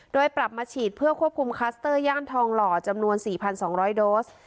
โดยปรับมาฉีดเพื่อควบคุมคลัสเตอร์ย่างทองหล่อจำนวนสี่พันสองร้อยโดส